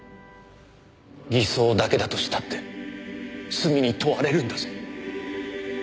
偽装だけだとしたって罪に問われるんだぞ。